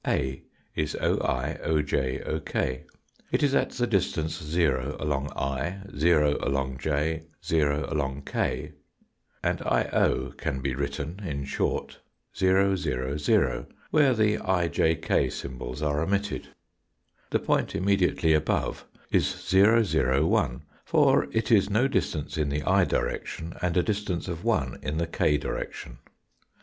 A is oi, oj, uk. It is at the distance along i, along j, along k, and io can be written in short 000, where the ijk symbols are omitted. The point immediately above is 001, for it is no dis tance in the i direction, and a distance of 1 in the k direction.